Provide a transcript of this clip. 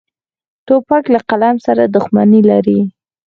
توپک له قلم سره دښمني لري.